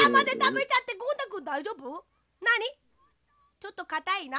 ちょっとかたいな？